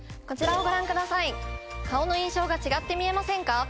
こちらをご覧ください顔の印象が違って見えませんか？